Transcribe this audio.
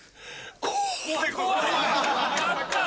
・やった！